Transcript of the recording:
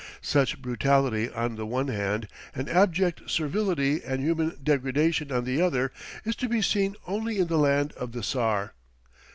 Such brutality on the one hand, and abject servility and human degradation on the other is to be seen only in the land of the Czar.